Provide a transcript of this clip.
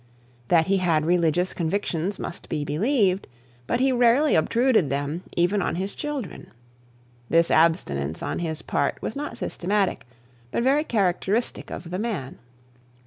That he had religious convictions must be believed; but he rarely obtruded them, even on his children. This abstinence on his part was not systematic, but very characteristic of the man.